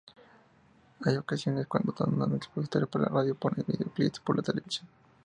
Hay ocasiones cuando dan anuncios publicitarios por la radio ponen videoclips por la televisión.